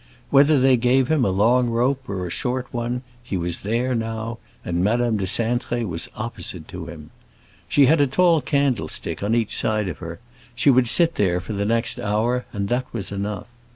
Whether they gave him a long rope or a short one he was there now, and Madame de Cintré was opposite to him. She had a tall candlestick on each side of her; she would sit there for the next hour, and that was enough.